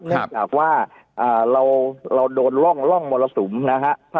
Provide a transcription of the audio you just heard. เนื่องจากว่าเราโดนร่องมรสุมนะฮะ